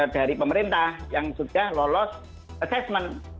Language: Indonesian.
dari pemerintah yang sudah lolos assessment